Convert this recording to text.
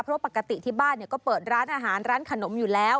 เพราะปกติที่บ้านก็เปิดร้านอาหารร้านขนมอยู่แล้ว